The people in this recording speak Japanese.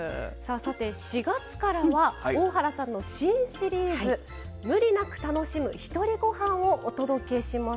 ４月からは大原さんの新シリーズ無理なく楽しむひとりごはんをお届けします。